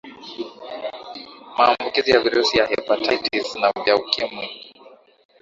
maambukizi ya virusi ya hepatitis na vya ukimwi